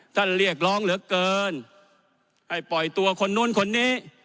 เรียกร้องเหลือเกินให้ปล่อยตัวคนนู้นคนนี้